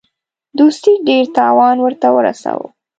دوستي ډېر تاوان ورته ورساوه.